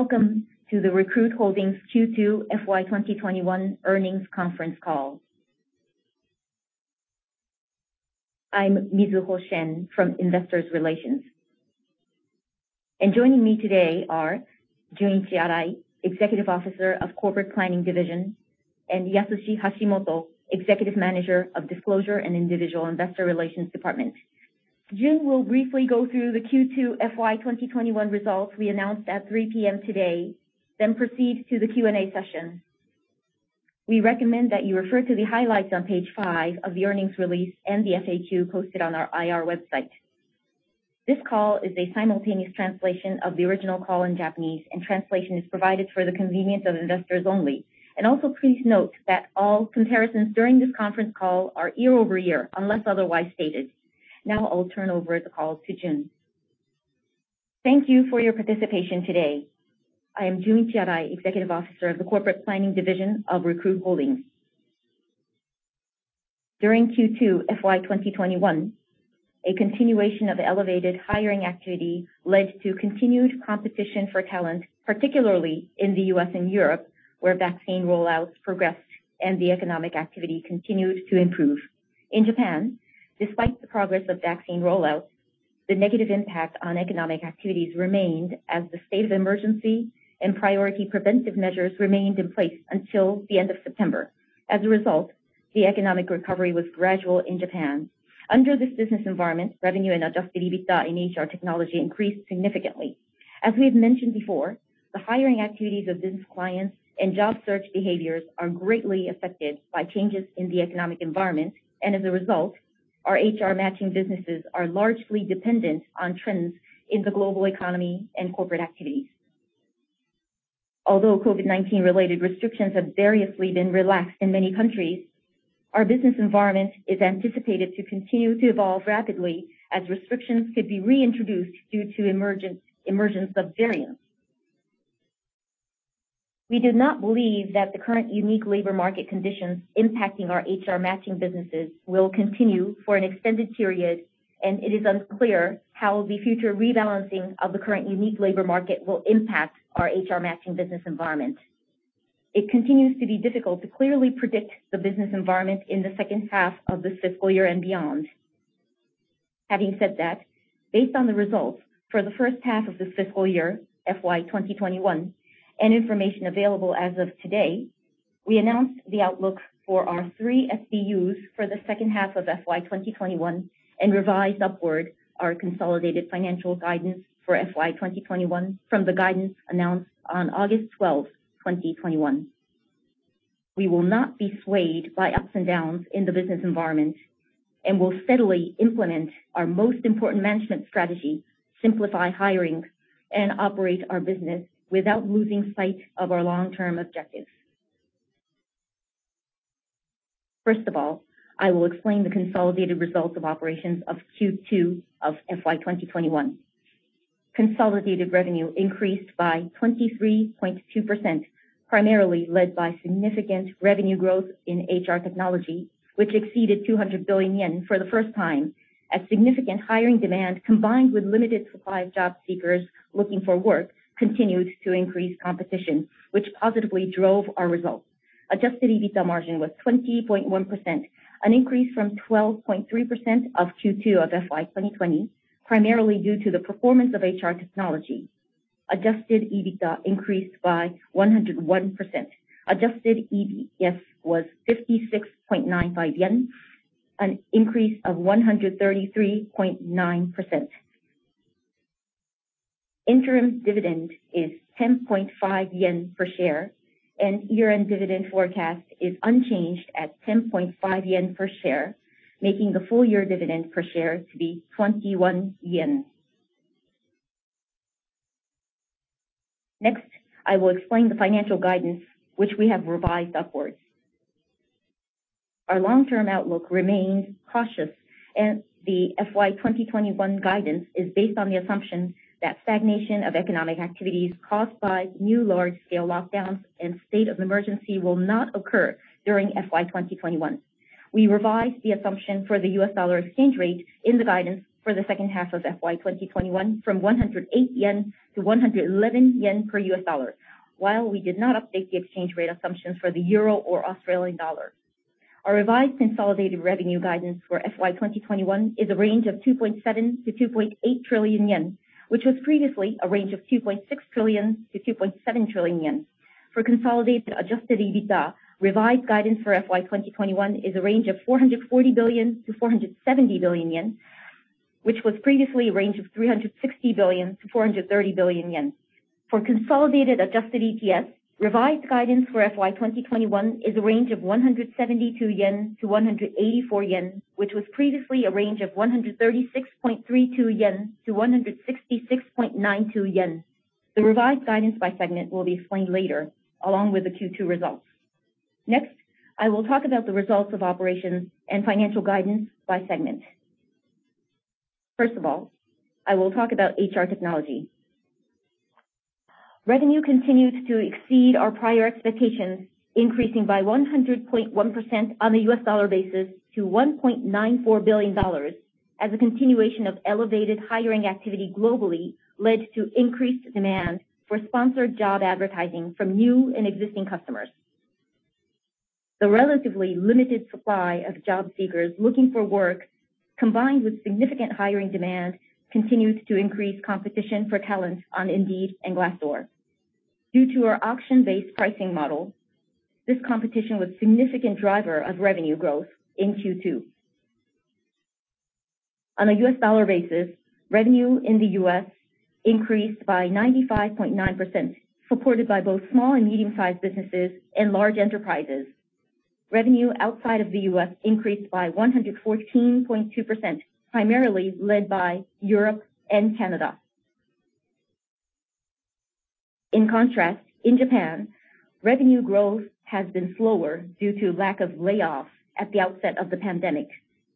Welcome to the Recruit Holdings Q2 FY 2021 earnings conference call. I'm Mizuho Shen from Investor Relations. Joining me today are Junichi Arai, Executive Officer of Corporate Planning Division, and Yasushi Hashimoto, Executive Manager of Disclosure and Individual Investor Relations Department. Junichi will briefly go through the Q2 FY 2021 results we announced at 3:00 P.M. today, then proceed to the Q&A session. We recommend that you refer to the highlights on page 5 of the earnings release and the FAQ posted on our IR website. This call is a simultaneous translation of the original call in Japanese, and translation is provided for the convenience of investors only. Also please note that all comparisons during this conference call are year-over-year, unless otherwise stated. Now I'll turn over the call to Junichi. Thank you for your participation today. I am Junichi Arai, Executive Officer of the Corporate Planning Division of Recruit Holdings. During Q2 FY 2021, a continuation of elevated hiring activity led to continued competition for talent, particularly in the U.S. and Europe, where vaccine rollouts progressed and the economic activity continued to improve. In Japan, despite the progress of vaccine rollouts, the negative impact on economic activities remained as the state of emergency and priority preventive measures remained in place until the end of September. As a result, the economic recovery was gradual in Japan. Under this business environment, revenue and adjusted EBITDA in HR Technology increased significantly. As we've mentioned before, the hiring activities of business clients and job search behaviors are greatly affected by changes in the economic environment. As a result, our HR matching businesses are largely dependent on trends in the global economy and corporate activities. Although COVID-19 related restrictions have variously been relaxed in many countries, our business environment is anticipated to continue to evolve rapidly as restrictions could be reintroduced due to emergence of variants. We do not believe that the current unique labor market conditions impacting our HR matching businesses will continue for an extended period, and it is unclear how the future rebalancing of the current unique labor market will impact our HR matching business environment. It continues to be difficult to clearly predict the business environment in the second half of this fiscal year and beyond. Having said that, based on the results for the first half of this fiscal year, FY 2021, and information available as of today, we announced the outlook for our three SBUs for the second half of FY 2021 and revised upward our consolidated financial guidance for FY 2021 from the guidance announced on August 12, 2021. We will not be swayed by ups and downs in the business environment and will steadily implement our most important management strategy, Simplify Hiring and operate our business without losing sight of our long-term objectives. First of all, I will explain the consolidated results of operations of Q2 of FY 2021. Consolidated revenue increased by 23.2%, primarily led by significant revenue growth in HR Technology, which exceeded 200 billion yen for the first time, as significant hiring demand, combined with limited supply of job seekers looking for work, continued to increase competition, which positively drove our results. Adjusted EBITDA margin was 20.1%, an increase from 12.3% of Q2 FY 2020, primarily due to the performance of HR Technology. Adjusted EBITDA increased by 101%. Adjusted EPS was 56.95 yen, an increase of 133.9%. Interim dividend is 10.5 yen per share, and year-end dividend forecast is unchanged at 10.5 yen per share, making the full year dividend per share to be 21 yen. Next, I will explain the financial guidance which we have revised upwards. Our long-term outlook remains cautious, and the FY 2021 guidance is based on the assumption that stagnation of economic activities caused by new large-scale lockdowns and state of emergency will not occur during FY 2021. We revised the assumption for the US dollar exchange rate in the guidance for the second half of FY 2021 from 108 yen to 111 yen per US dollar, while we did not update the exchange rate assumptions for the euro or Australian dollar. Our revised consolidated revenue guidance for FY 2021 is a range of 2.7 trillion-2.8 trillion yen, which was previously a range of 2.6 trillion-2.7 trillion yen. For consolidated adjusted EBITDA, revised guidance for FY 2021 is a range of 440 billion-470 billion yen, which was previously a range of 360 billion-430 billion yen. For consolidated adjusted EPS, revised guidance for FY 2021 is a range of 172-184 yen, which was previously a range of 136.32-166.92 yen. The revised guidance by segment will be explained later, along with the Q2 results. Next, I will talk about the results of operations and financial guidance by segment. First of all, I will talk about HR Technology. Revenue continued to exceed our prior expectations, increasing by 100.1% on the U.S. dollar basis to $1.94 billion. As a continuation of elevated hiring activity globally led to increased demand for sponsored job advertising from new and existing customers. The relatively limited supply of job seekers looking for work, combined with significant hiring demand, continues to increase competition for talent on Indeed and Glassdoor. Due to our auction-based pricing model, this competition was significant driver of revenue growth in Q2. On a U.S. dollar basis, revenue in the U.S. increased by 95.9%, supported by both small and medium-sized businesses and large enterprises. Revenue outside of the U.S. increased by 114.2%, primarily led by Europe and Canada. In contrast, in Japan, revenue growth has been slower due to lack of layoffs at the outset of the pandemic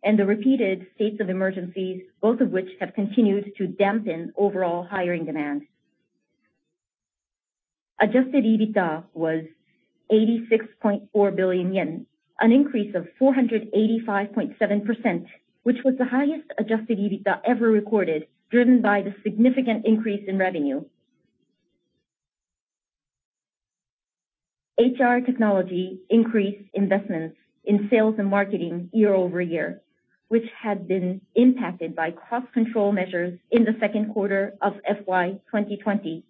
and the repeated states of emergencies, both of which have continued to dampen overall hiring demand. Adjusted EBITDA was 86.4 billion yen, an increase of 485.7%, which was the highest adjusted EBITDA ever recorded, driven by the significant increase in revenue. HR Technology increased investments in sales and marketing year over year, which had been impacted by cost control measures in the second quarter of FY 2020,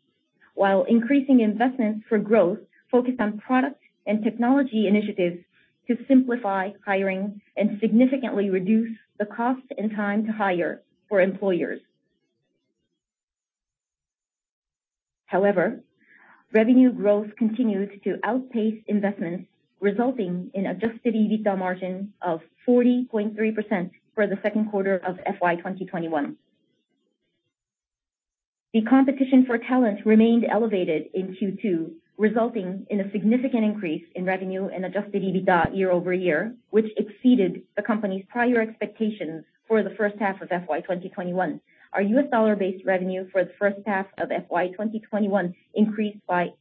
while increasing investments for growth focused on product and technology initiatives to Simplify Hiring and significantly reduce the cost and time to hire for employers. However, revenue growth continued to outpace investments, resulting in adjusted EBITDA margin of 40.3% for the second quarter of FY 2021. The competition for talent remained elevated in Q2, resulting in a significant increase in revenue and adjusted EBITDA year-over-year, which exceeded the company's prior expectations for the first half of FY 2021. Our US dollar-based revenue for the first half of FY 2021 increased by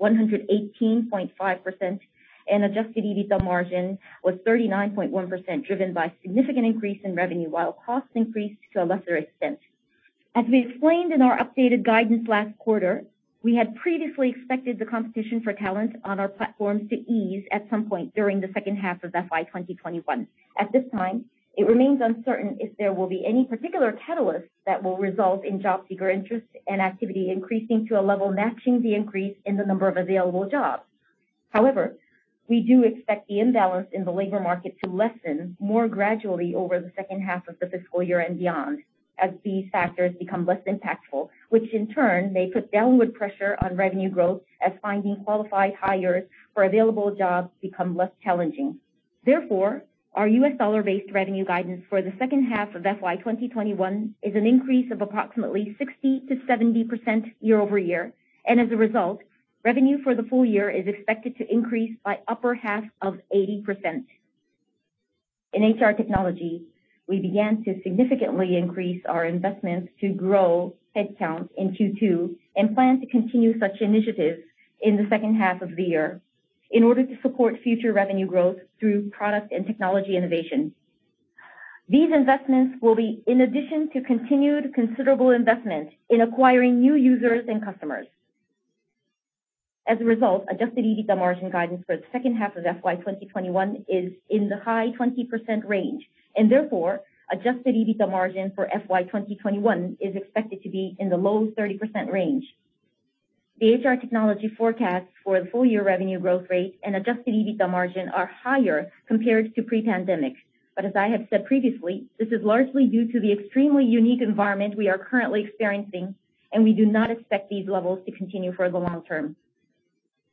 118.5%, and adjusted EBITDA margin was 39.1%, driven by significant increase in revenue, while costs increased to a lesser extent. As we explained in our updated guidance last quarter, we had previously expected the competition for talent on our platforms to ease at some point during the second half of FY 2021. At this time, it remains uncertain if there will be any particular catalyst that will result in job seeker interest and activity increasing to a level matching the increase in the number of available jobs. However, we do expect the imbalance in the labor market to lessen more gradually over the second half of the fiscal year and beyond as these factors become less impactful, which in turn may put downward pressure on revenue growth as finding qualified hires for available jobs become less challenging. Therefore, our U.S. dollar-based revenue guidance for the second half of FY 2021 is an increase of approximately 60%-70% year-over-year, and as a result, revenue for the full year is expected to increase by upper half of 80%. In HR Technology, we began to significantly increase our investments to grow headcounts in Q2 and plan to continue such initiatives in the second half of the year in order to support future revenue growth through product and technology innovation. These investments will be in addition to continued considerable investment in acquiring new users and customers. As a result, adjusted EBITDA margin guidance for the second half of FY 2021 is in the high 20% range, and therefore, adjusted EBITDA margin for FY 2021 is expected to be in the low 30% range. The HR Technology forecast for the full year revenue growth rate and adjusted EBITDA margin are higher compared to pre-pandemic. As I have said previously, this is largely due to the extremely unique environment we are currently experiencing, and we do not expect these levels to continue for the long term.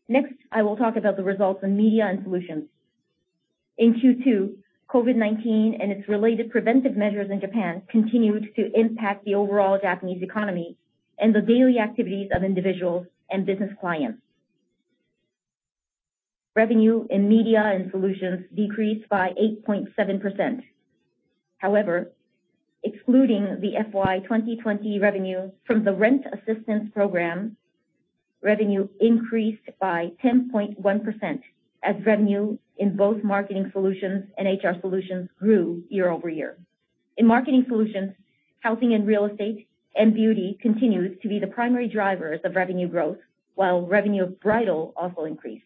Next, I will talk about the results in media and solutions. In Q2, COVID-19 and its related preventive measures in Japan continued to impact the overall Japanese economy and the daily activities of individuals and business clients. Revenue in Matching & Solutions decreased by 8.7%. However, excluding the FY 2020 revenue from the rent assistance program, revenue increased by 10.1% as revenue in both Marketing Solutions and HR Solutions grew year-over-year. In Marketing Solutions, housing and real estate and beauty continues to be the primary drivers of revenue growth, while revenue of bridal also increased.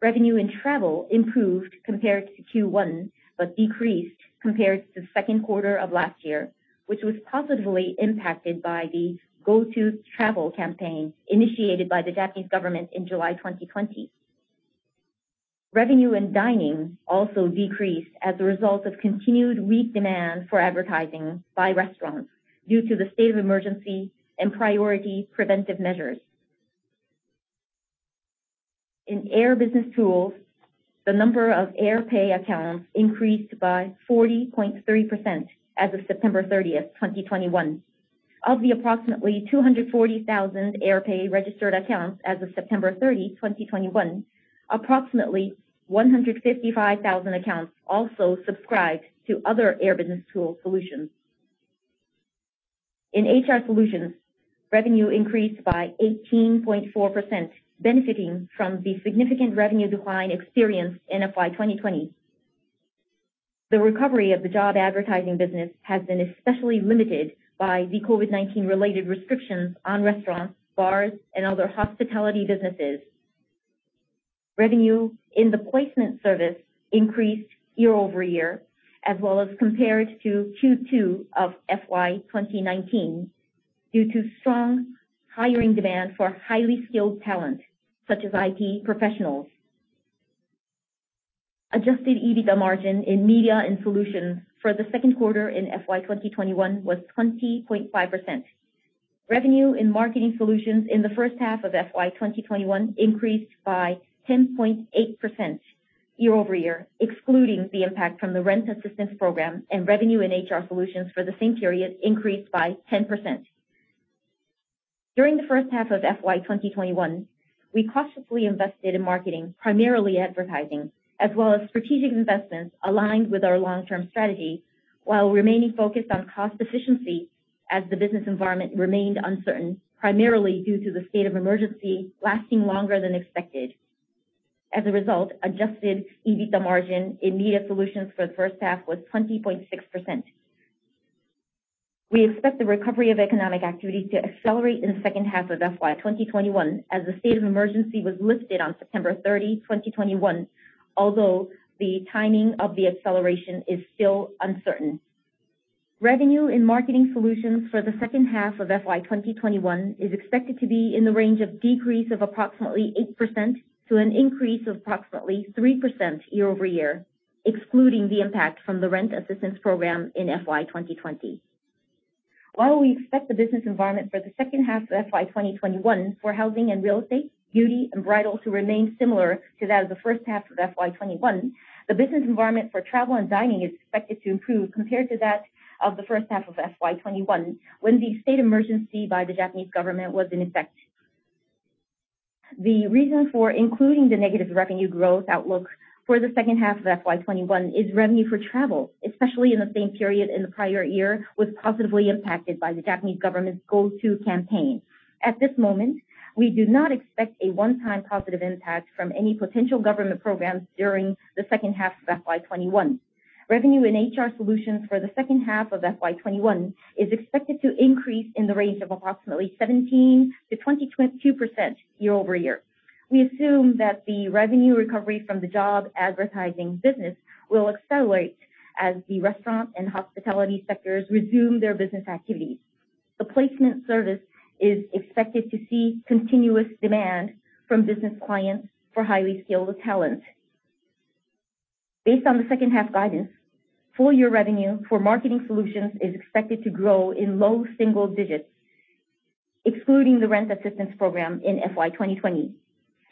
Revenue in travel improved compared to Q1, but decreased compared to the second quarter of last year, which was positively impacted by the Go To Travel campaign initiated by the Japanese government in July 2020. Revenue in dining also decreased as a result of continued weak demand for advertising by restaurants due to the state of emergency and priority preventive measures. In Air Business Tools, the number of AirPAY accounts increased by 40.3% as of September 30, 2021. Of the approximately 240,000 AirPAY registered accounts as of September 30, 2021, approximately 155,000 accounts also subscribed to other Air Business Tools solutions. In HR Solutions, revenue increased by 18.4%, benefiting from the significant revenue decline experienced in FY 2020. The recovery of the job advertising business has been especially limited by the COVID-19 related restrictions on restaurants, bars, and other hospitality businesses. Revenue in the placement service increased year-over-year as well as compared to Q2 of FY 2019 due to strong hiring demand for highly skilled talent such as IT professionals. Adjusted EBITDA margin in Matching & Solutions for the second quarter in FY 2021 was 20.5%. Revenue in Marketing Solutions in the first half of FY 2021 increased by 10.8% year-over-year, excluding the impact from the rent assistance program and revenue in HR Solutions for the same period increased by 10%. During the first half of FY 2021, we cautiously invested in marketing, primarily advertising, as well as strategic investments aligned with our long-term strategy, while remaining focused on cost efficiency as the business environment remained uncertain, primarily due to the state of emergency lasting longer than expected. As a result, adjusted EBITDA margin in Marketing Solutions for the first half was 20.6%. We expect the recovery of economic activity to accelerate in the second half of FY 2021 as the state of emergency was lifted on September 30, 2021, although the timing of the acceleration is still uncertain. Revenue in Marketing Solutions for the second half of FY 2021 is expected to be in the range of decrease of approximately 8% to an increase of approximately 3% year-over-year, excluding the impact from the rent assistance program in FY 2020. While we expect the business environment for the second half of FY 2021 for housing and real estate, beauty and bridal to remain similar to that of the first half of FY 2021, the business environment for travel and dining is expected to improve compared to that of the first half of FY 2021, when the state of emergency by the Japanese government was in effect. The reason for including the negative revenue growth outlook for the second half of FY 2021 is revenue for travel, especially in the same period in the prior year, was positively impacted by the Japanese government's Go To Campaign. At this moment, we do not expect a one-time positive impact from any potential government programs during the second half of FY 2021. Revenue in HR Solutions for the second half of FY 2021 is expected to increase in the range of approximately 17%-22% year-over-year. We assume that the revenue recovery from the job advertising business will accelerate as the restaurant and hospitality sectors resume their business activities. The placement service is expected to see continuous demand from business clients for highly skilled talent. Based on the second half guidance, full year revenue for Marketing Solutions is expected to grow in low single digits, excluding the rent assistance program in FY 2020,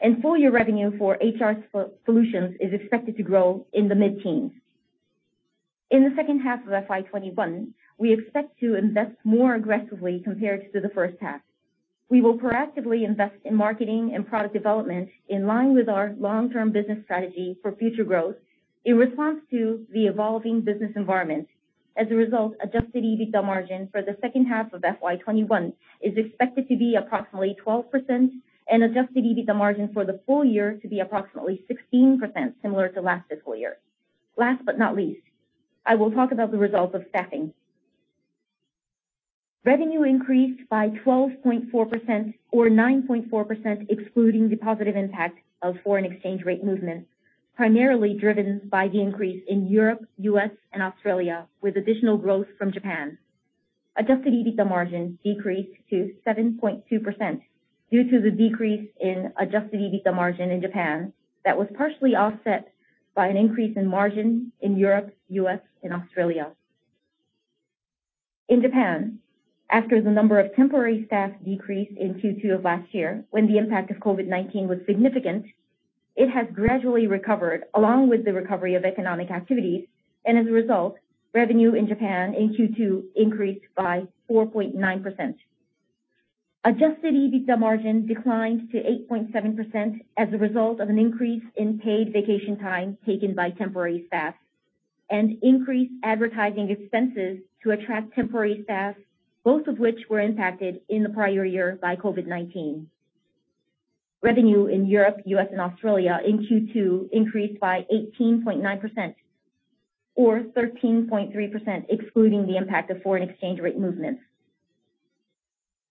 and full year revenue for HR Solutions is expected to grow in the mid-teens. In the second half of FY 2021, we expect to invest more aggressively compared to the first half. We will proactively invest in marketing and product development in line with our long-term business strategy for future growth in response to the evolving business environment. As a result, adjusted EBITDA margin for the second half of FY 2021 is expected to be approximately 12% and adjusted EBITDA margin for the full year to be approximately 16%, similar to last fiscal year. Last but not least, I will talk about the results of Staffing. Revenue increased by 12.4% or 9.4%, excluding the positive impact of foreign exchange rate movements, primarily driven by the increase in Europe, U.S. and Australia, with additional growth from Japan. Adjusted EBITDA margin decreased to 7.2% due to the decrease in adjusted EBITDA margin in Japan. That was partially offset by an increase in margin in Europe, U.S. and Australia. In Japan, after the number of temporary staff decreased in Q2 of last year, when the impact of COVID-19 was significant, it has gradually recovered along with the recovery of economic activities, and as a result, revenue in Japan in Q2 increased by 4.9%. Adjusted EBITDA margin declined to 8.7% as a result of an increase in paid vacation time taken by temporary staff and increased advertising expenses to attract temporary staff, both of which were impacted in the prior year by COVID-19. Revenue in Europe, U.S. and Australia in Q2 increased by 18.9% or 13.3%, excluding the impact of foreign exchange rate movements.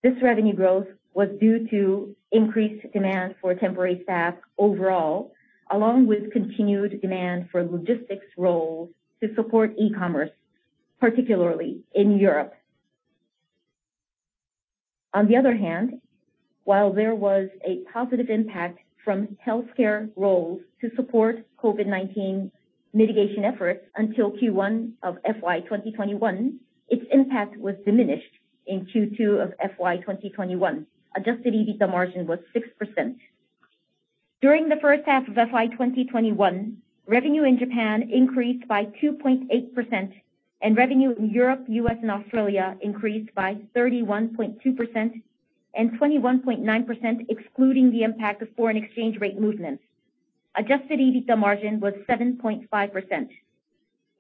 This revenue growth was due to increased demand for temporary staff overall, along with continued demand for logistics roles to support e-commerce, particularly in Europe. On the other hand, while there was a positive impact from healthcare roles to support COVID-19 mitigation efforts until Q1 of FY 2021, its impact was diminished in Q2 of FY 2021. Adjusted EBITDA margin was 6%. During the first half of FY 2021, revenue in Japan increased by 2.8% and revenue in Europe, U.S. and Australia increased by 31.2% and 21.9%, excluding the impact of foreign exchange rate movements. Adjusted EBITDA margin was 7.5%.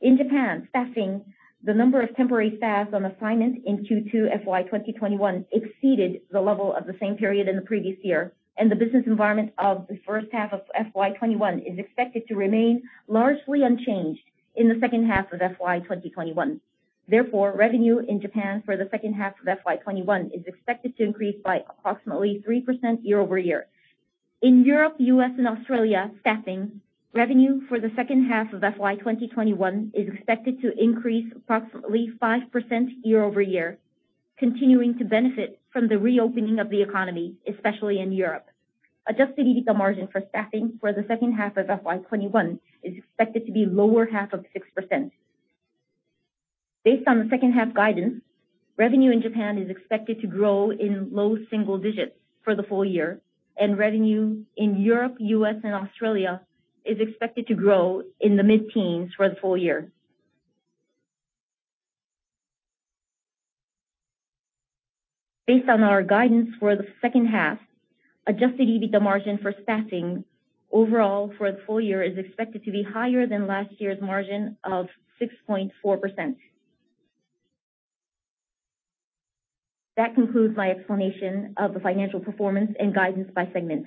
In Japan, Staffing, the number of temporary staff on assignment in Q2 FY 2021 exceeded the level of the same period in the previous year, and the business environment of the first half of FY 2021 is expected to remain largely unchanged in the second half of FY 2021. Therefore, revenue in Japan for the second half of FY 2021 is expected to increase by approximately 3% year-over-year. In Europe, U.S., and Australia, staffing revenue for the second half of FY 2021 is expected to increase approximately 5% year-over-year, continuing to benefit from the reopening of the economy, especially in Europe. Adjusted EBITDA margin for staffing for the second half of FY 2021 is expected to be lower half of 6%. Based on the second half guidance, revenue in Japan is expected to grow in low single digits for the full year, and revenue in Europe, U.S., and Australia is expected to grow in the mid-teens for the full year. Based on our guidance for the second half, adjusted EBITDA margin for staffing overall for the full year is expected to be higher than last year's margin of 6.4%. That concludes my explanation of the financial performance and guidance by segment.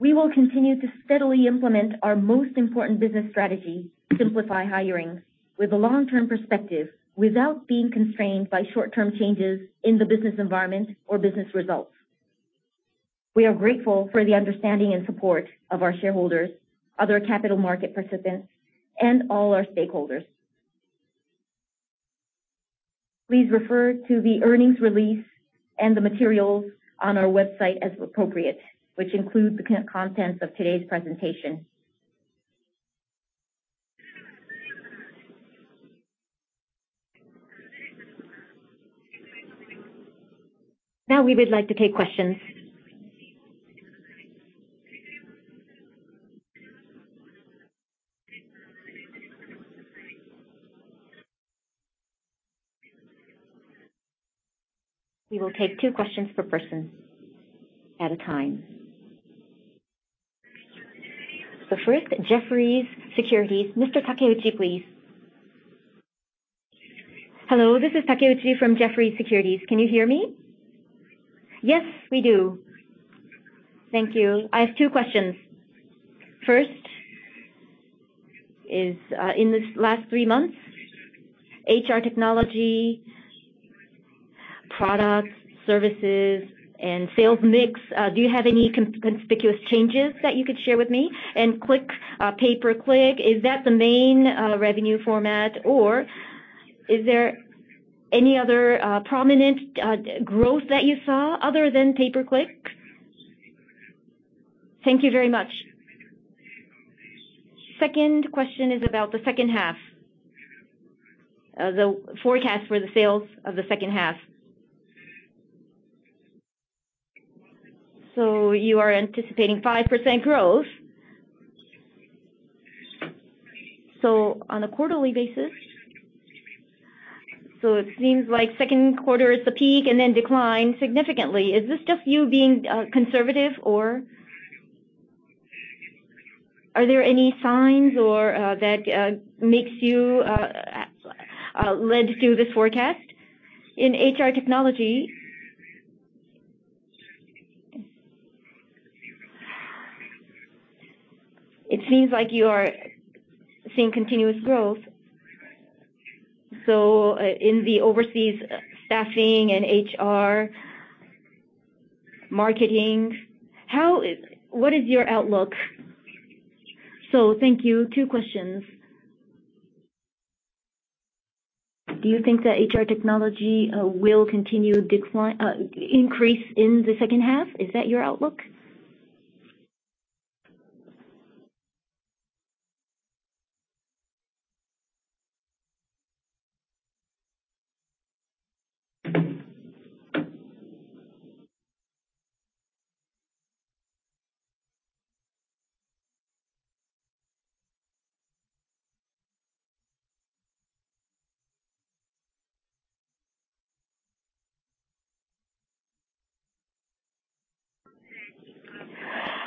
We will continue to steadily implement our most important business strategy, Simplify Hiring, with a long-term perspective without being constrained by short-term changes in the business environment or business results. We are grateful for the understanding and support of our shareholders, other capital market participants, and all our stakeholders. Please refer to the earnings release and the materials on our website as appropriate, which include the contents of today's presentation. Now we would like to take questions. We will take two questions per person at a time. First, Jefferies. Mr. Takeuchi, please. Hello, this is Takeuchi from Jefferies Securities. Can you hear me? Yes, we do. Thank you. I have two questions. First is, in this last three months, HR Technology products, services, and sales mix, do you have any conspicuous changes that you could share with me? Pay-per-click, is that the main revenue format, or is there any other prominent growth that you saw other than pay-per-click? Thank you very much. Second question is about the second half, the forecast for the sales of the second half. You are anticipating 5% growth. On a quarterly basis, so it seems like second quarter is the peak and then decline significantly. Is this just you being conservative, or are there any signs that led to this forecast? In HR Technology, it seems like you are seeing continuous growth. In the overseas staffing and HR marketing, what is your outlook? Thank you. Two questions. Do you think that HR Technology will continue decline, increase in the second half? Is that your outlook?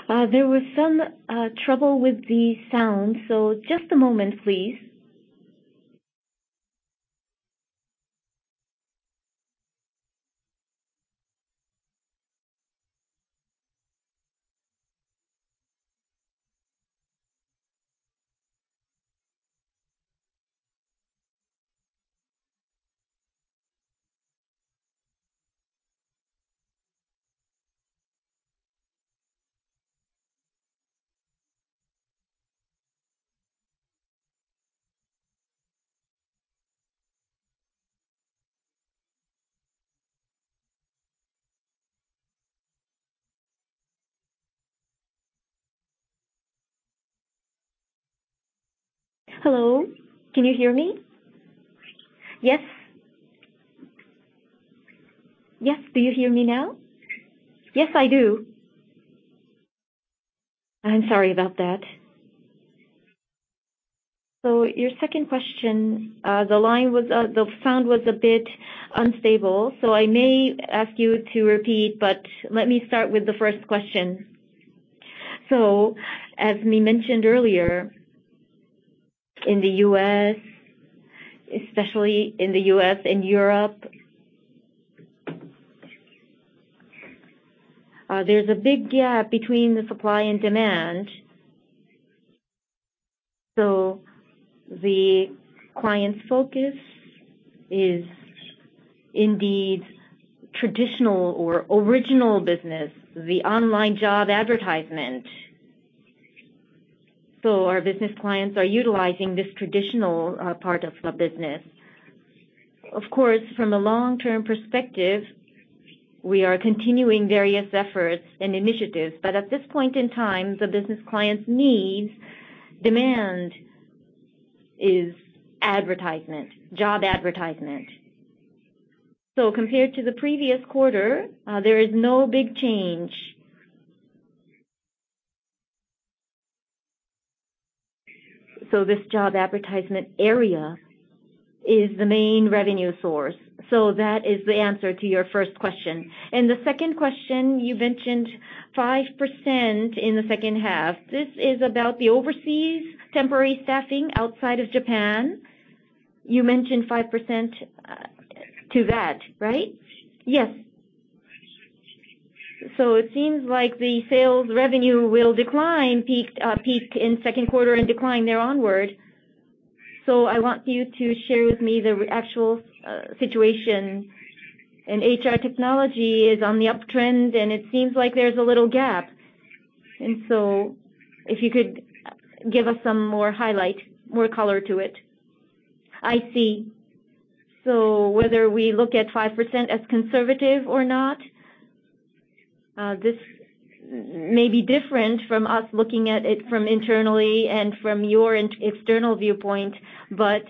There was some trouble with the sound, so just a moment, please. Hello, can you hear me? Yes. Yes. Do you hear me now? Yes, I do. I'm sorry about that. Your second question, the line was, the sound was a bit unstable, so I may ask you to repeat, but let me start with the first question. As we mentioned earlier, in the U.S., especially in the U.S. and Europe, there's a big gap between the supply and demand. The client's focus is indeed traditional or original business, the online job advertisement. Our business clients are utilizing this traditional, part of the business. Of course, from a long-term perspective, we are continuing various efforts and initiatives, but at this point in time, the business clients' needs, demand is advertisement, job advertisement. Compared to the previous quarter, there is no big change. This job advertisement area is the main revenue source. That is the answer to your first question. The second question, you mentioned 5% in the second half. This is about the overseas temporary staffing outside of Japan. You mentioned 5% to that, right? Yes. It seems like the sales revenue will peak in second quarter and decline there onward. I want you to share with me the actual situation. HR Technology is on the uptrend, and it seems like there's a little gap. If you could give us some more highlight, more color to it. I see. Whether we look at 5% as conservative or not, this may be different from us looking at it from internally and from your external viewpoint. The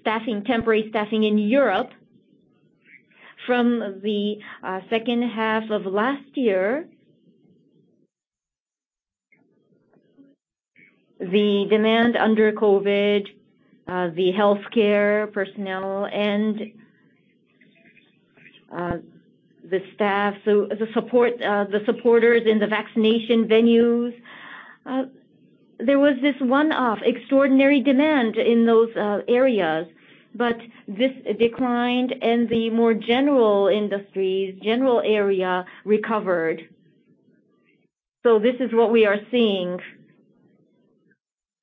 Staffing, temporary Staffing in Europe from the second half of last year, the demand under COVID, the healthcare personnel and the staff, so the support, the supporters in the vaccination venues, there was this one-off extraordinary demand in those areas, but this declined and the more general industries, general area recovered. This is what we are seeing.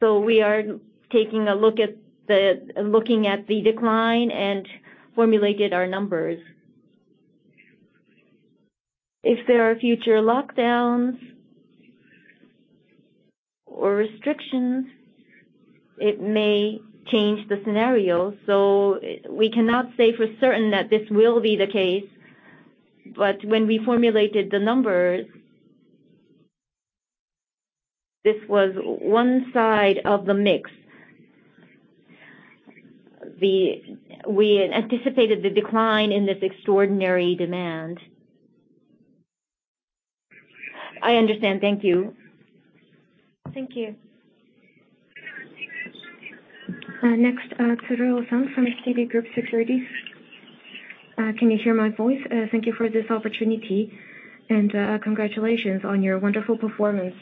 We are looking at the decline and formulated our numbers. If there are future lockdowns or restrictions, it may change the scenario. We cannot say for certain that this will be the case. When we formulated the numbers, this was one side of the mix. We anticipated the decline in this extraordinary demand. I understand. Thank you. Thank you. Next, Tsuruo from Citigroup Securities. Can you hear my voice? Thank you for this opportunity, and congratulations on your wonderful performance.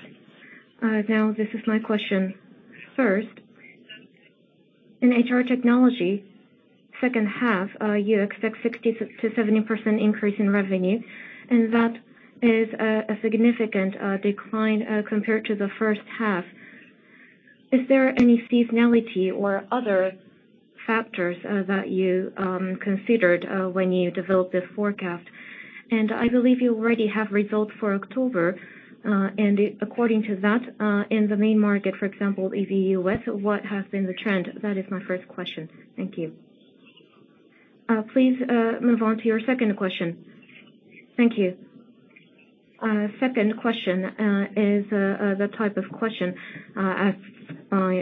Now this is my question. First, in HR Technology, second half, you expect 60%-70% increase in revenue, and that is a significant decline compared to the first half. Is there any seasonality or other factors that you considered when you developed this forecast? I believe you already have results for October, and according to that, in the main market, for example, in the U.S., what has been the trend? That is my first question. Thank you. Please, move on to your second question. Thank you. Second question is the type of question asked by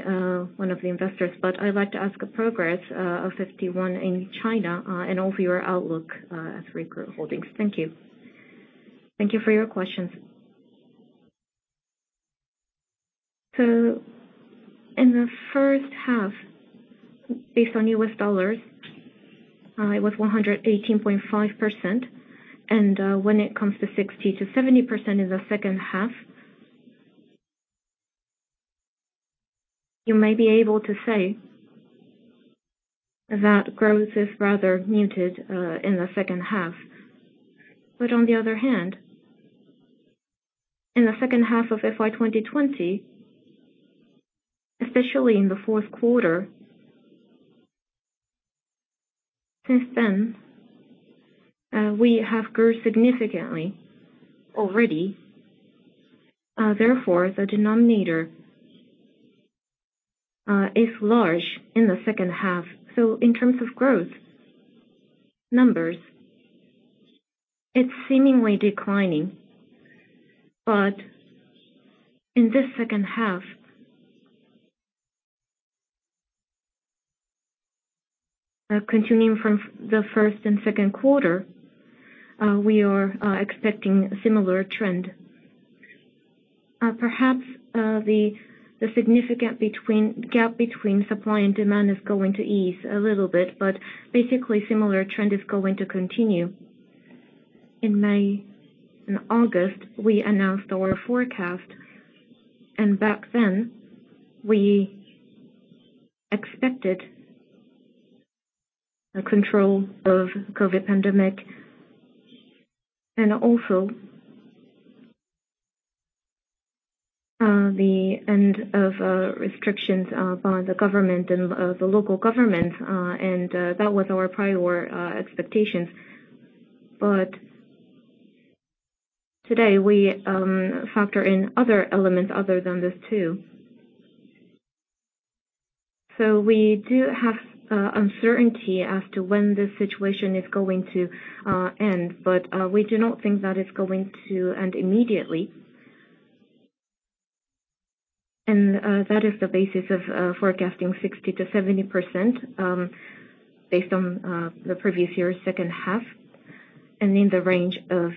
one of the investors, but I'd like to ask a progress of 51job in China, and overview your outlook at Recruit Holdings. Thank you. Thank you for your questions. In the first half, based on U.S. dollars, it was 118.5%. When it comes to 60%-70% in the second half, you may be able to say that growth is rather muted in the second half. On the other hand, in the second half of FY 2020, especially in the fourth quarter, since then, we have grown significantly already. Therefore, the denominator is large in the second half. In terms of growth numbers, it's seemingly declining. In this second half Continuing from the first and second quarter, we are expecting a similar trend. Perhaps the significant gap between supply and demand is going to ease a little bit, but basically similar trend is going to continue. In May and August, we announced our forecast, and back then we expected a control of COVID pandemic and also the end of restrictions by the government and the local government. That was our prior expectations. Today we factor in other elements other than this too. We do have uncertainty as to when this situation is going to end, but we do not think that it's going to end immediately. That is the basis of forecasting 60%-70%, based on the previous year's second half, and in the range of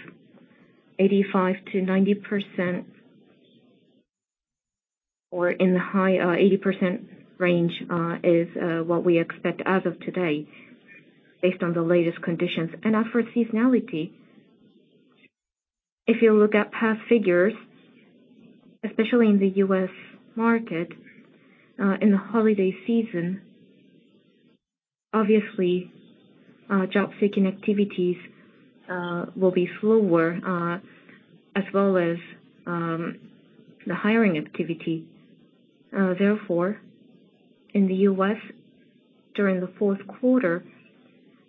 85%-90% or in the high 80% range, is what we expect as of today based on the latest conditions and as for seasonality. If you look at past figures, especially in the U.S. market, in the holiday season, obviously, job seeking activities will be slower, as well as the hiring activity. Therefore, in the U.S., during the fourth quarter,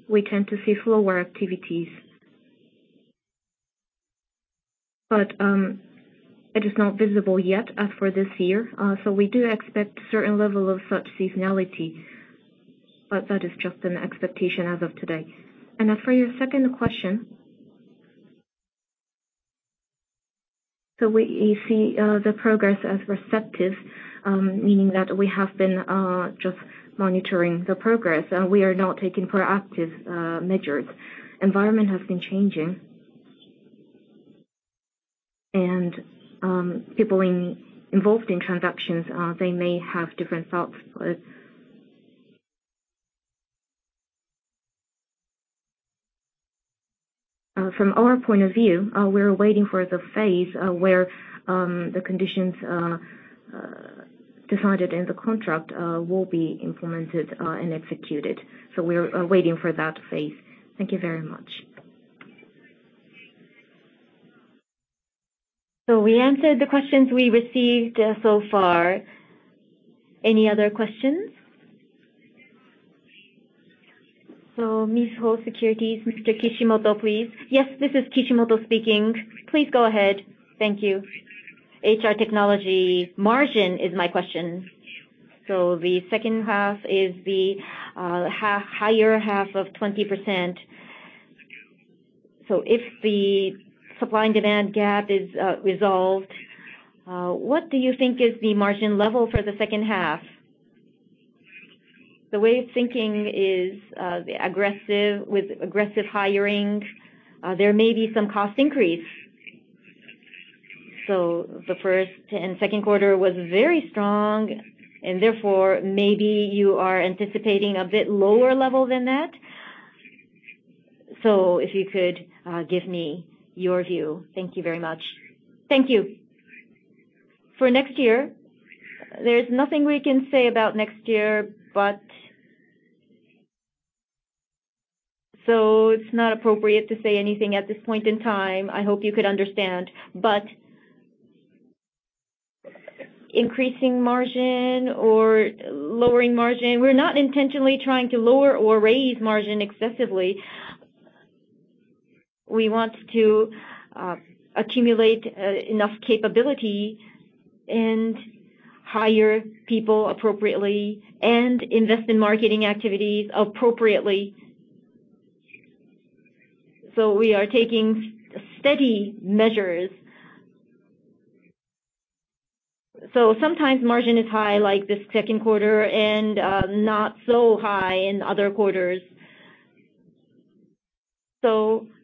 we tend to see slower activities. It is not visible yet as for this year. We do expect certain level of such seasonality, but that is just an expectation as of today. As for your second question. We see the progress as receptive, meaning that we have been just monitoring the progress. We are not taking proactive measures. Environment has been changing. People involved in transactions, they may have different thoughts, but from our point of view, we're waiting for the phase where the conditions decided in the contract will be implemented and executed. We're waiting for that phase. Thank you very much. We answered the questions we received so far. Any other questions? Mizuho Securities, Mr. Kishimoto, please. Yes, this is Kishimoto speaking. Please go ahead. Thank you. HR Technology margin is my question. The second half is the higher half of 20%. If the supply and demand gap is resolved, what do you think is the margin level for the second half? The way of thinking is there is aggressive hiring, there may be some cost increase. The first and second quarter was very strong, and therefore, maybe you are anticipating a bit lower level than that. If you could give me your view. Thank you very much. Thank you. For next year, there's nothing we can say about next year, but, It's not appropriate to say anything at this point in time, I hope you could understand. Increasing margin or lowering margin, we're not intentionally trying to lower or raise margin excessively. We want to accumulate enough capability and hire people appropriately and invest in marketing activities appropriately. We are taking steady measures. Sometimes margin is high, like this second quarter, and not so high in other quarters.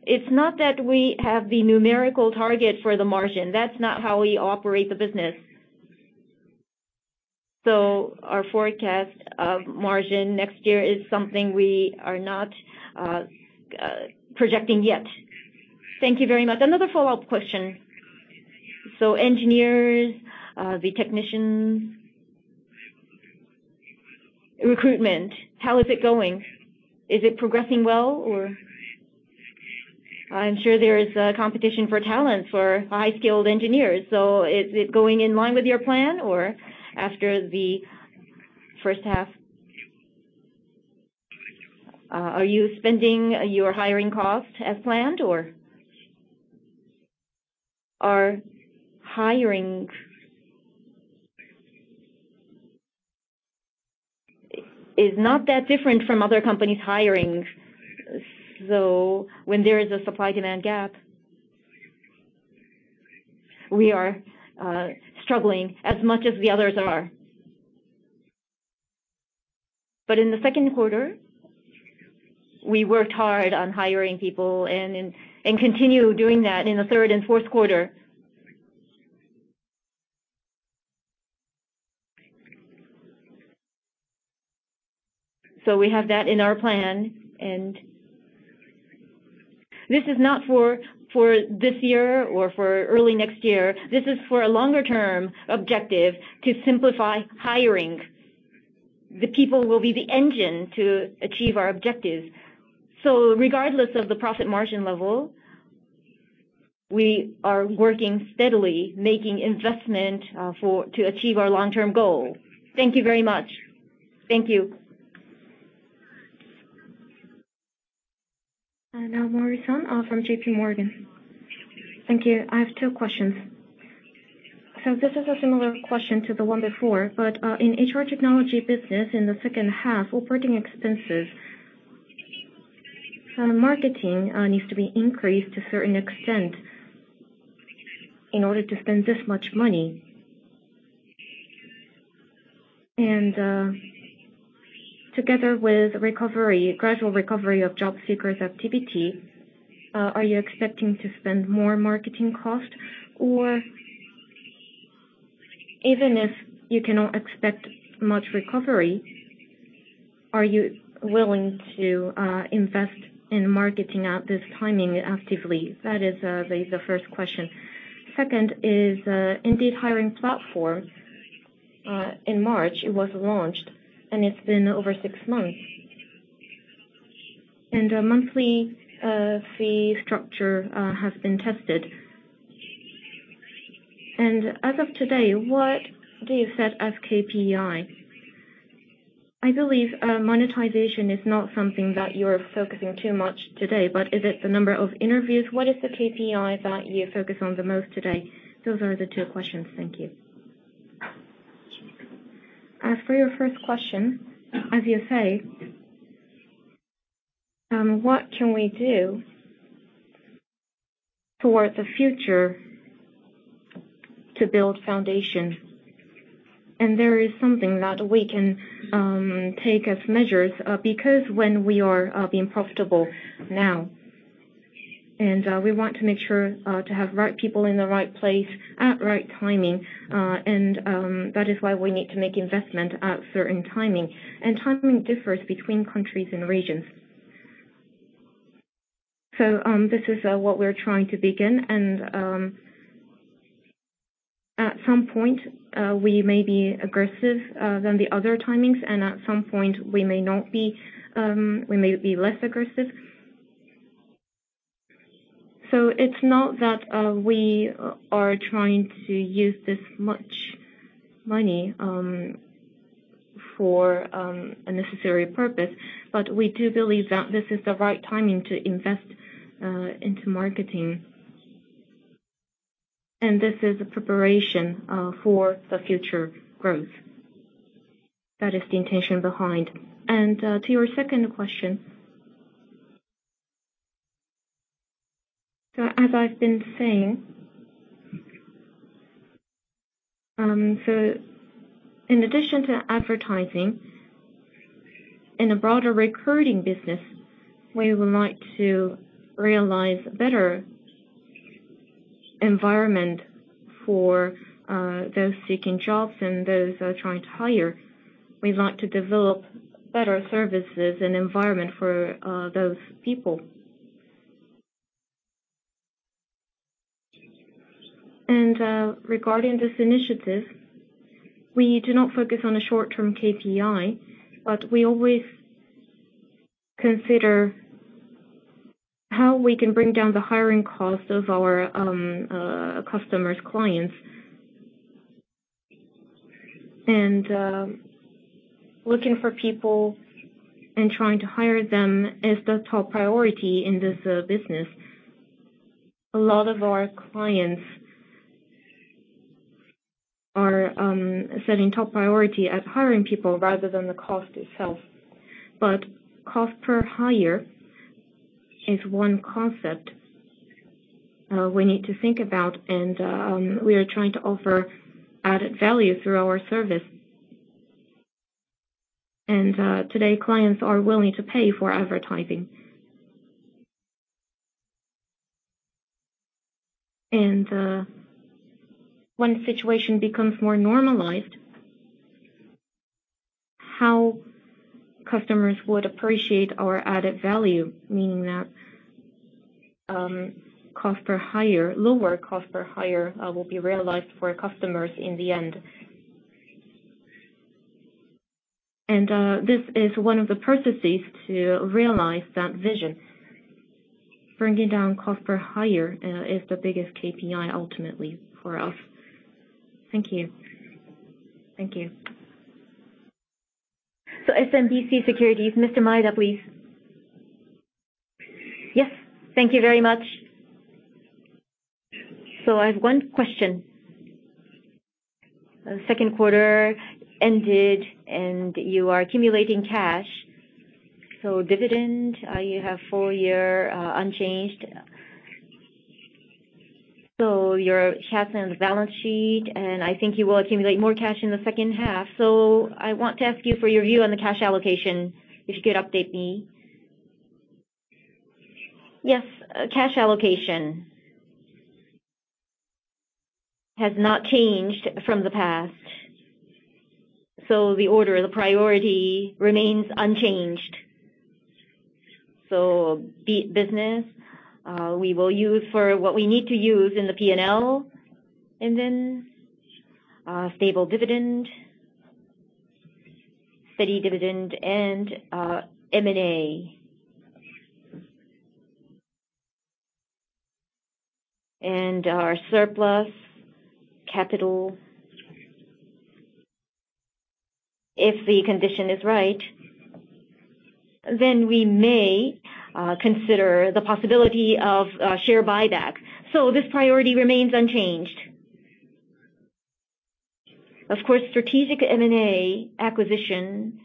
It's not that we have the numerical target for the margin. That's not how we operate the business. Our forecast of margin next year is something we are not projecting yet. Thank you very much. Another follow-up question. Engineers, the technicians recruitment, how is it going? Is it progressing well, or? I'm sure there is a competition for talent for high-skilled engineers. Is it going in line with your plan or after the first half? Are you spending your hiring cost as planned or? Our hiring is not that different from other companies' hiring. When there is a supply-demand gap. We are struggling as much as the others are. In the second quarter, we worked hard on hiring people and continue doing that in the third and fourth quarter. We have that in our plan, and this is not for this year or for early next year. This is for a longer term objective to Simplify Hiring. The people will be the engine to achieve our objectives. Regardless of the profit margin level, we are working steadily making investment to achieve our long-term goal. Thank you very much. Thank you. Now Mori-san from JPMorgan. Thank you. I have two questions. This is a similar question to the one before, but in HR Technology business in the second half, operating expenses and marketing needs to be increased to a certain extent in order to spend this much money. Together with recovery, gradual recovery of job seekers activity, are you expecting to spend more marketing cost? Or even if you cannot expect much recovery, are you willing to invest in marketing at this timing actively? That is, the first question. Second is, Indeed Hiring Platform, in March it was launched, and it's been over six months. Our monthly fee structure has been tested. As of today, what do you set as KPI? I believe, monetization is not something that you're focusing too much today, but is it the number of interviews? What is the KPI that you focus on the most today? Those are the two questions. Thank you. As for your first question, as you say, what can we do towards the future to build foundation? There is something that we can take as measures, because when we are being profitable now, and we want to make sure to have right people in the right place at right timing, and that is why we need to make investment at certain timing. Timing differs between countries and regions. This is what we're trying to begin and at some point we may be aggressive than the other timings, and at some point we may not be, we may be less aggressive. It's not that we are trying to use this much money for a necessary purpose, but we do believe that this is the right timing to invest into marketing. This is a preparation for the future growth. That is the intention behind. To your second question. As I've been saying, so in addition to advertising in a broader recruiting business, we would like to realize better environment for those seeking jobs and those trying to hire. We'd like to develop better services and environment for those people. Regarding this initiative, we do not focus on the short-term KPI, but we always consider how we can bring down the hiring cost of our customers, clients. Looking for people and trying to hire them is the top priority in this business. A lot of our clients are setting top priority at hiring people rather than the cost itself. Cost Per Hire is one concept we need to think about and we are trying to offer added value through our service. Today, clients are willing to pay for advertising. When situation becomes more normalized, how customers would appreciate our added value, meaning that Cost Per Hire, lower Cost Per Hire, will be realized for customers in the end. This is one of the processes to realize that vision. Bringing down Cost Per Hire is the biggest KPI ultimately for us. Thank you. Thank you. SMBC Nikko Securities, Mr. Maeda, please. Yes. Thank you very much. I have one question. The second quarter ended and you are accumulating cash. Dividend, you have full year, unchanged. Your cash on the balance sheet, and I think you will accumulate more cash in the second half. I want to ask you for your view on the cash allocation, if you could update me. Yes. Cash allocation has not changed from the past. The order, the priority remains unchanged. Business, we will use for what we need to use in the P&L. Then, stable dividend, steady dividend, and M&A. Our surplus capital. If the condition is right, then we may consider the possibility of share buyback. This priority remains unchanged. Of course, strategic M&A acquisition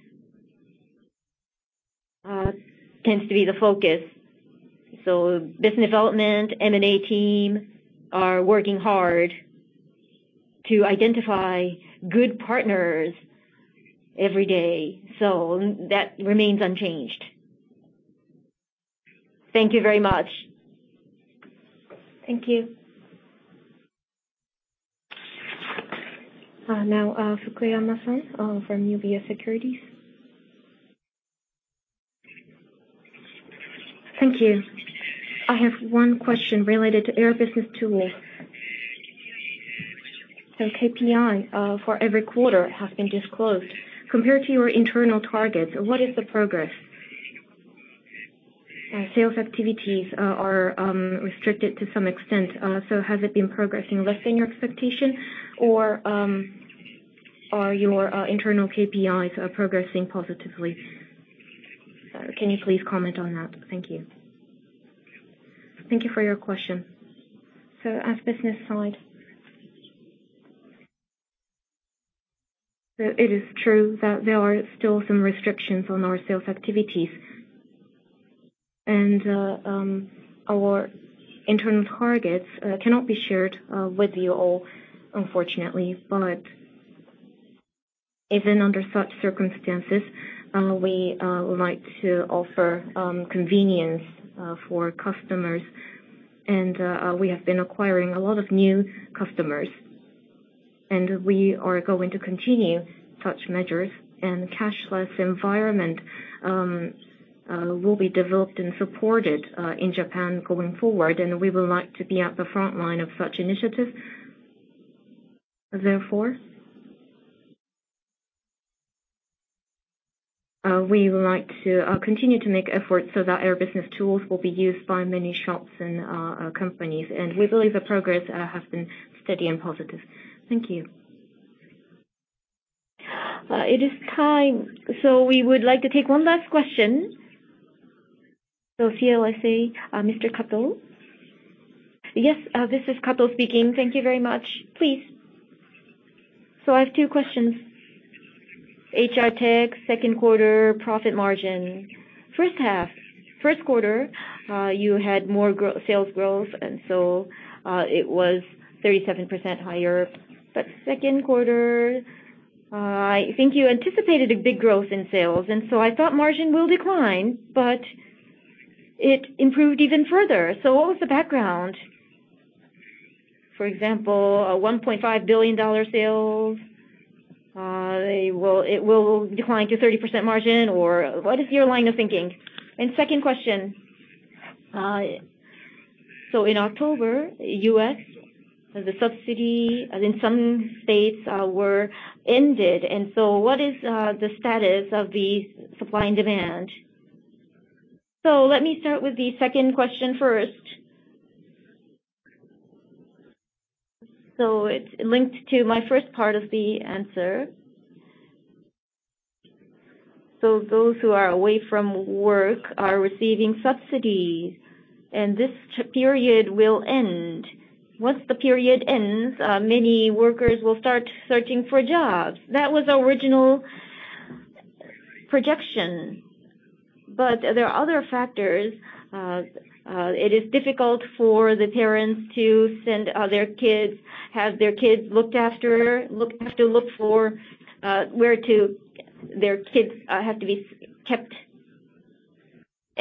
tends to be the focus. Business development, M&A team are working hard to identify good partners every day, so that remains unchanged. Thank you very much. Thank you. Fukuyama-san from UBS Securities. Thank you. I have one question related to Air Business Tools. KPI for every quarter has been disclosed. Compared to your internal targets, what is the progress? Sales activities are restricted to some extent. Has it been progressing less than your expectation or are your internal KPIs progressing positively? Can you please comment on that? Thank you. Thank you for your question. On the business side, it is true that there are still some restrictions on our sales activities. Our internal targets cannot be shared with you all, unfortunately. Even under such circumstances, we would like to offer convenience for customers. We have been acquiring a lot of new customers. We are going to continue such measures. Cashless environment will be developed and supported in Japan going forward, and we would like to be at the frontline of such initiatives. Therefore, we would like to continue to make efforts so that Air Business Tools will be used by many shops and companies. We believe the progress has been steady and positive. Thank you. It is time. We would like to take one last question. CLSA, Mr. Kato. Yes, this is Kato speaking. Thank you very much. Please. I have two questions. HR tech second quarter profit margin. First half, first quarter, you had more sales growth, and it was 37% higher. Second quarter, I think you anticipated a big growth in sales. I thought margin will decline, but it improved even further. What was the background? For example, $1.5 billion sales, it will decline to 30% margin, or what is your line of thinking? Second question. In October, U.S., the subsidy in some states were ended. What is the status of the supply and demand? Let me start with the second question first. It's linked to my first part of the answer. Those who are away from work are receiving subsidies, and this period will end. Once the period ends, many workers will start searching for jobs. That was the original projection. There are other factors. It is difficult for the parents to have their kids looked after. Their kids have to be kept.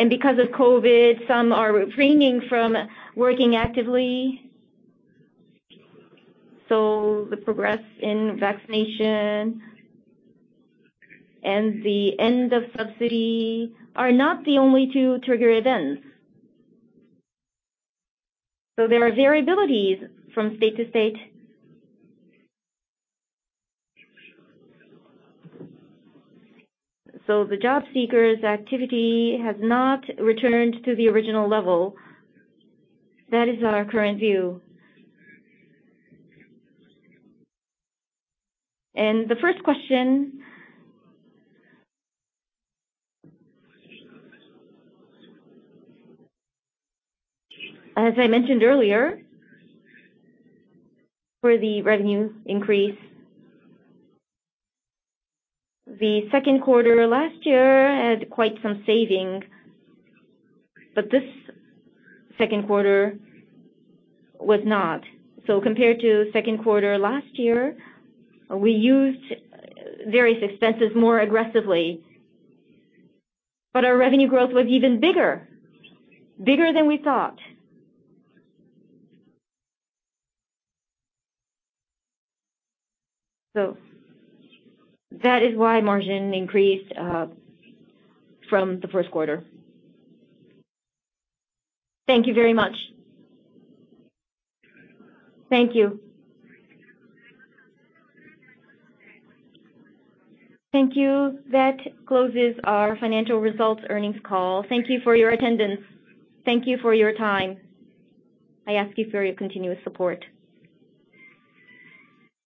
Because of COVID, some are refraining from working actively. The progress in vaccination and the end of subsidy are not the only two trigger events. There are variabilities from state to state. The job seekers' activity has not returned to the original level. That is our current view. The first question. As I mentioned earlier, for the revenue increase, the second quarter last year had quite some savings, but this second quarter was not. Compared to second quarter last year, we used various expenses more aggressively. Our revenue growth was even bigger than we thought. That is why margin increased from the first quarter. Thank you very much. Thank you. Thank you. That closes our financial results earnings call. Thank you for your attendance. Thank you for your time. I ask you for your continuous support.